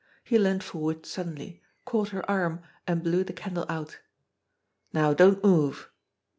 He leaned forward suddenly, caught her arm, and blew the candle out. "Now, don't move